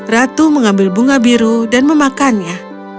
ratu mengambil bunga biru dan memakannya